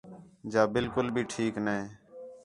جا بالکل بھی ٹھیک نے